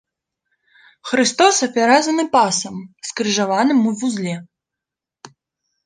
Хрыстос апяразаны пасам, скрыжаваным у вузле.